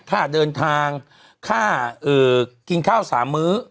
ค่าเดินทางค่ากินข้าว๓มื้อ